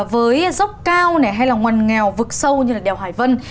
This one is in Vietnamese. với dốc cao hay là ngoằn nghèo vực sâu như là đèo hải vân